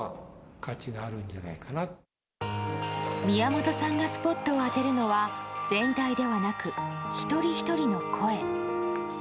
宮本さんがスポットを当てるのは全体ではなく一人ひとりの声。